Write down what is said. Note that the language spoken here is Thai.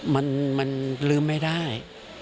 มันลืมไม่ได้